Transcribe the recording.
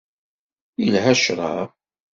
Yelha ccrab.